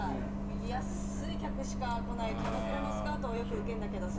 やっすい客しか来ないキャバクラのスカウトをよく受けるんだけどさ